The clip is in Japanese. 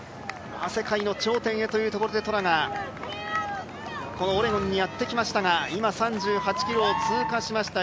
世界の頂点へというところでトラがこのオレゴンにやってきましたが今、３８ｋｍを通過しました